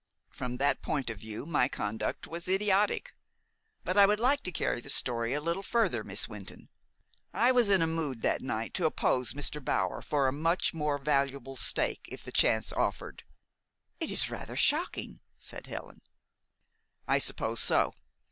"From that point of view my conduct was idiotic. But I would like to carry the story a little further, Miss Wynton. I was in a mood that night to oppose Mr. Bower for a much more valuable stake if the chance offered." "It is rather shocking," said Helen. "I suppose so.